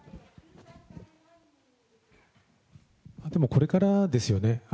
これからですよね。